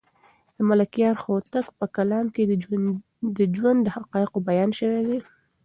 د ملکیار هوتک په کلام کې د ژوند د حقایقو بیان شوی دی.